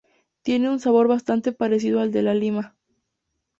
Tiene un sabor bastante parecido al de la lima.